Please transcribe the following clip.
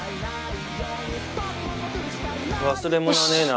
忘れ物ねえな？